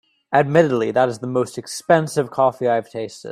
Admittedly, that is the most expensive coffee I’ve tasted.